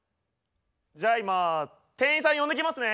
じゃあ今店員さん呼んできますね。